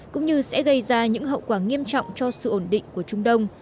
cũng như sẽ gây ra những hậu quả nghiêm trọng cho sự ổn định của trung đông